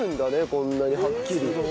こんなにはっきり。